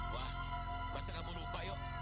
wah pasti kamu lupa yuk